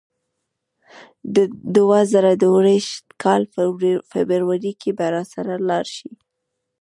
د دوه زره درویشت کال فبرورۍ کې به راسره لاړ شې.